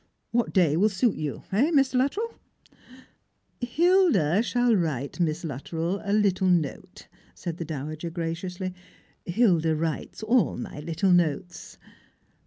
What day will suit you, eh, Mr. Luttrell ?" "Hilda shall write Miss Luttrell a little note," said the dowager graciously; " Hilda writes all my little notes."